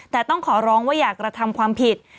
แต่ต้องขอร้องว่าอยากกระทำความผิด